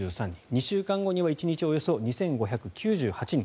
２週間後には１日およそ２５９８人。